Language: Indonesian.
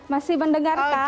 masih mendengar kak